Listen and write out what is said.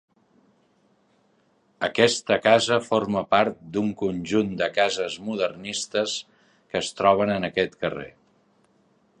Aquesta casa forma part d'un conjunt de cases modernistes que es troben en aquest carrer.